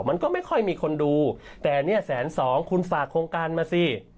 มันก็ไม่ค่อยมีคนดูแต่เนี่ยแสนสองคุณฝากโครงการมาสิ